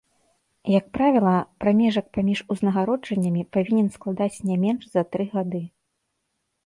Як правіла, прамежак паміж узнагароджаннямі павінен складаць не менш за тры гады.